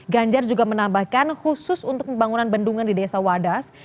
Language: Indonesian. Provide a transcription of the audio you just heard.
ganjar juga menambahkan khusus untuk pembangunan bendungan di desa wadas